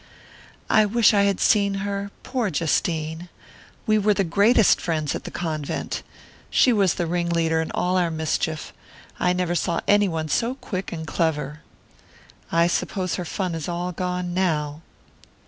"I wish I had seen her poor Justine! We were the greatest friends at the convent. She was the ringleader in all our mischief I never saw any one so quick and clever. I suppose her fun is all gone now."